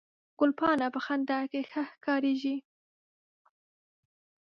ګلپاڼه په خندا کې ښه ښکارېږي